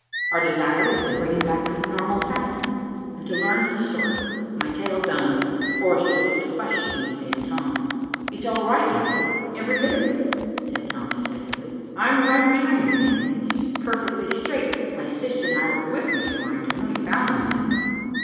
Our desire was to bring him back to a normal sanity and to learn his story. My tale done, Forrester looked questioningly at Tom. "It's all right, Doctor, every bit of it," said Tom decisively. "I'm right behind this thing, and it's all perfectly straight. My sister and I were with Mr. Orrington when he found the man."